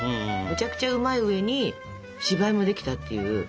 むちゃくちゃうまい上に芝居もできたっていう。